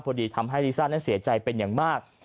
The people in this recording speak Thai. พอดีทำให้ลิซ่านั้นเสียใจเป็นอย่างมาก